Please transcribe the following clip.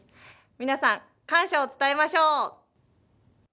皆さん、感謝を伝えましょう。